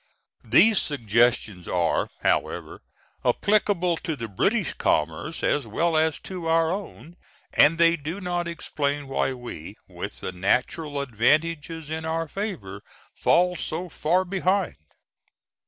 These suggestions are, however, applicable to the British commerce as well as to our own, and they do not explain why we, with the natural advantages in our favor, fall so far behind.